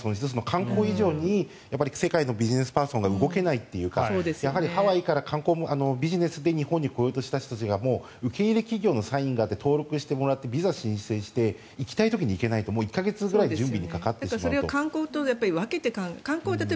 観光以上に世界のビジネスパーソンが動けないというかハワイからビジネスで日本に来ようとした人が受け入れ企業のサインがあって登録してもらってビザ申請して行きたい時に行けないと１か月ぐらい観光と分けて考えないと。